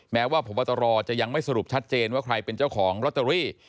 แม้ว่าพบตรจะยังไม่สรุปชัดเจนว่าใครเป็นเจ้าของลอตเตอรี่